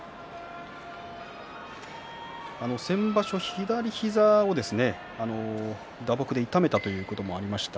先場所、左膝を打撲で痛めたということもありました。